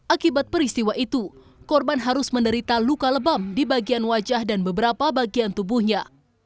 akibat peristiwa itu korban harus menderita luka lebam di bagian wajah dan beberapa bagian tubuhnya